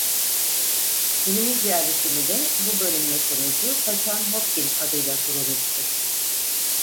Günümüz yerleşimi de bu bölünme sonucu "Paçan-Hopgin" adıyla kurulmuştur.